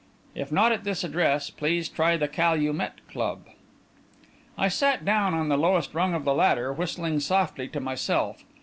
If not at this address, please try the Calumet Club. I sat down on the lowest rung of the ladder, whistling softly to myself.